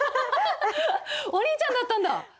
お兄ちゃんだったんだ！